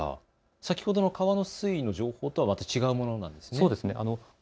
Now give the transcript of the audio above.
先ほどの川の水位の情報とはまた違うんですね。